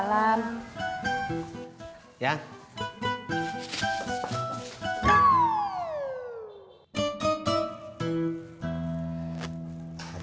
kerentangan juga mas